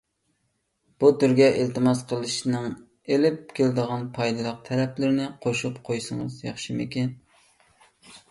بۇ تۈرگە ئىلتىماس قىلىشنىڭ ئېلىپ كېلىدىغان پايدىلىق تەرەپلىرىنى قوشۇپ قويسىڭىز ياخشىمىكىن.